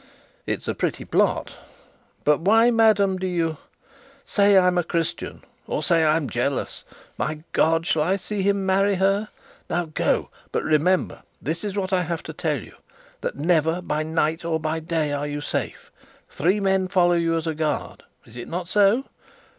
"It's a pretty plot. But why, madame, do you ?" "Say I'm a Christian or say I'm jealous. My God! shall I see him marry her? Now go; but remember this is what I have to tell you that never, by night or by day, are you safe. Three men follow you as a guard. Is it not so?